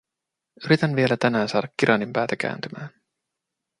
Yritän vielä tänään saada Kiranin päätä kääntymään.